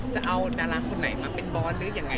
ดาราคนไหนมาเป็นบอสหรือยังไง